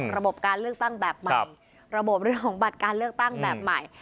ระบบการเลือกตั้งแบบใหม่ระบบเรื่องของบัตรการเลือกตั้งแบบใหม่